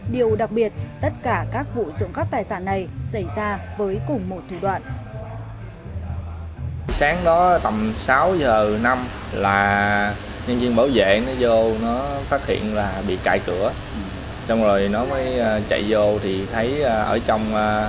điều đặc biệt tất cả các vụ trộm cắp tài sản này xảy ra với cùng một thủ đoạn